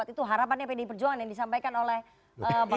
itu harapannya pdi perjuangan yang disampaikan oleh bang degi